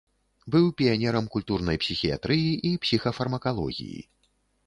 Быў піянерам культурнай псіхіятрыі і псіхафармакалогіі.